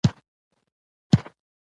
چې له ويشتلې هوسۍ سره د